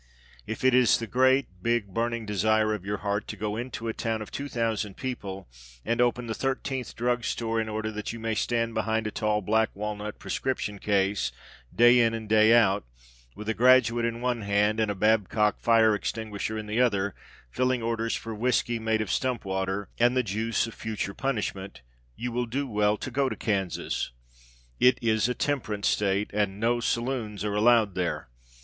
If it is the great, big, burning desire of your heart to go into a town of 2,000 people and open the thirteenth drug store in order that you may stand behind a tall black walnut prescription case day in and day out, with a graduate in one hand and a Babcock fire extinguisher in the other, filling orders for whiskey made of stump water and the juice of future punishment, you will do well to go to Kansas. It is a temperance state and no saloons are allowed there.